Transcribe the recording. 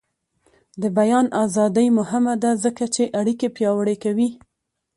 د بیان ازادي مهمه ده ځکه چې اړیکې پیاوړې کوي.